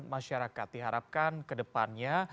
masyarakat diharapkan kedepannya